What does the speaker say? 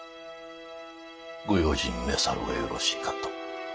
ご用心めさるがよろしいかと。